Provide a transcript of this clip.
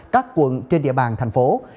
các quận trên địa bàn tp hcm